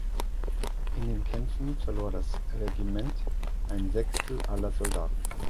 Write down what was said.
In den Kämpfen verlor das Regiment ein Sechstel aller Soldaten.